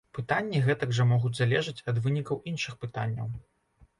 Пытанні гэтак жа могуць залежаць ад вынікаў іншых пытанняў.